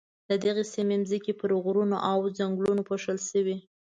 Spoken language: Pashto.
د دغې سیمې ځمکې پر غرونو او ځنګلونو پوښل شوې.